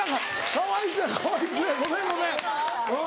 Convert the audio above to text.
かわいそうやかわいそうやごめんごめんうん。